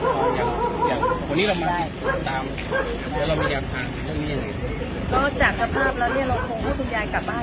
ทำเงี้ยเลยก็จากสภาพแล้วเนี่ยเราก็คงคุกของคุณยายกลับบ้าน